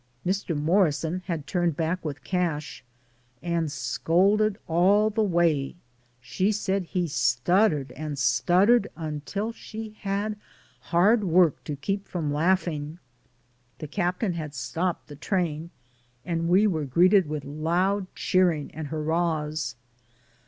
Mr. Morrison had turned back with Cash, and scolded all the way, she said he stuttered and stuttered, un til she had hard work to keep from laughing. The captain had stopped the train, and we were greeted with loud cheering and hurrahs.